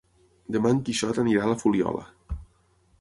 Demà en Quixot anirà a la Fuliola.